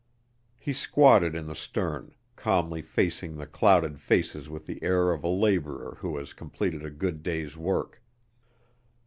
He squatted in the stern, calmly facing the clouded faces with the air of a laborer who has completed a good day's work.